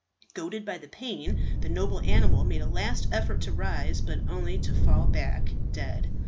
Goaded by the pain the noble animal made a last effort to rise, but only to fall back dead.